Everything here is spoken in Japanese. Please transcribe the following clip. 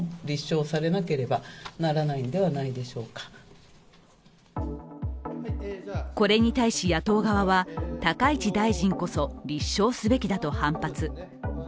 更にこれに対し野党側は高市大臣こそ立証すべきだと反発。